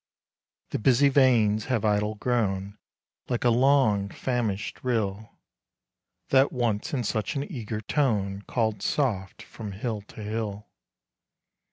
The busy veins have idle grown, Like a long famished rill, That once in such an eager tone Called soft from hill to hill.